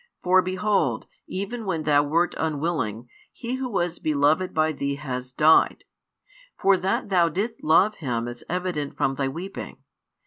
For behold, even when Thou wert unwilling, He who was beloved by Thee has died. For that Thou didst love him is evident from Thy weeping.